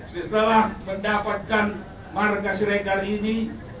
setelah mendapatkan marka siregar ini